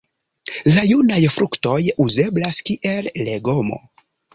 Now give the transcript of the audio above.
La junaj fruktoj uzeblas kiel legomo.